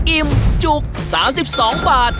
อิ่มจุก๓๒บาท